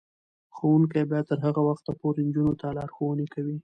ښوونکې به تر هغه وخته پورې نجونو ته لارښوونې کوي.